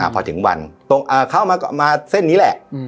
พอถึงวันเข้ามาเส้นนี้แหละ